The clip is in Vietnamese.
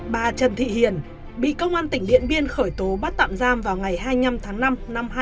bà trần thị hiền bị công an tỉnh điện biên khởi tố bắt tạm giam vào ngày hai mươi năm tháng năm năm hai nghìn hai mươi ba